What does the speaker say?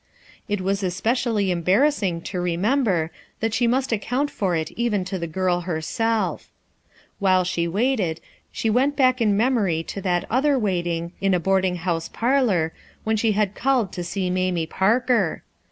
It was especially embarrassing to remember that she must account for it even to the girl herself While she waited, she went 264 RUTH ERSKIXE'S SON back in memory to that other waiting, i a a .boarding house parlor, when she had called to see Mamie Parker.